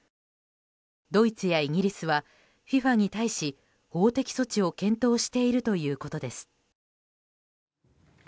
ドイツやイギリスはＦＩＦＡに対し法的措置を検討しているということです。